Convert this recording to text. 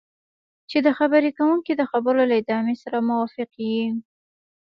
چې د خبرې کوونکي د خبرو له ادامې سره موافق یې.